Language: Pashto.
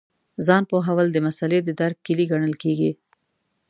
ځان پوهول د مسألې د درک کیلي ګڼل کېږي.